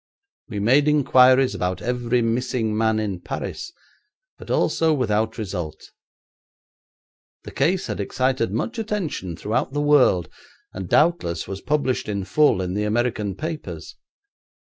We made inquiries about every missing man in Paris, but also without result. The case had excited much attention throughout the world, and doubtless was published in full in the American papers.